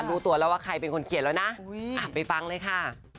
รู้ตัวแล้วว่าใครเป็นคนเขียนแล้วนะไปฟังเลยค่ะ